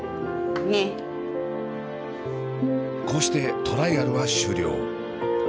こうしてトライアルは終了。